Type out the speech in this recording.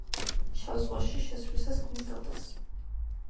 შავ ზღვაში შესვლისას ქმნის დელტას.